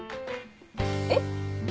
えっ？